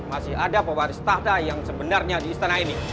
masih ada pemerintah yang sebenarnya di istana ini